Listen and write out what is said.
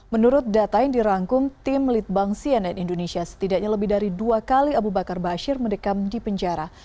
menurut data yang dirangkum tim litbang cnn indonesia setidaknya lebih dari dua kali abu bakar bashir mendekam di penjara